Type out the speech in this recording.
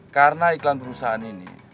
karena iklan perusahaan ini